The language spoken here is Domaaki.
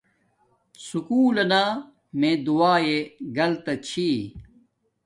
سکُول لنا میے دعاݶ گلتا چھی